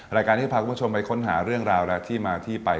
รายการที่จะพาคุณผู้ชมไปค้นหาเรื่องราวและที่มาที่ไป